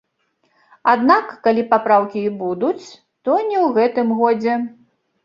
Аднак, калі папраўкі і будуць, то не ў гэтым годзе.